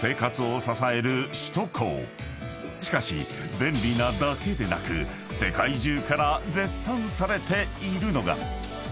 ［しかし便利なだけでなく世界中から絶賛されているのが］